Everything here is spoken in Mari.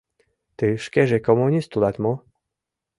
— Тый шкеже коммунист улат мо?